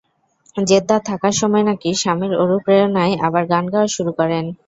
Jeddah থাকার সময় নাকি স্বামীর অনুপ্রেরণায় আবার গান গাওয়া শুরু করেন।